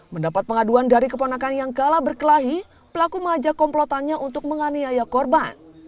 mendapat pengaduan dari keponakan yang kalah berkelahi pelaku mengajak komplotannya untuk menganiaya korban